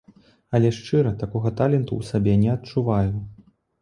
Але, шчыра, такога таленту ў сабе не адчуваю.